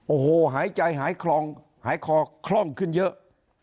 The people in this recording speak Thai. โอ้โหหายใจหายคลองหายคอคล่องขึ้นเยอะ